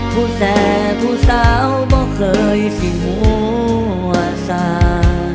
ผู้แสสผู้สาวไม่เคยสิ้งมูอาซา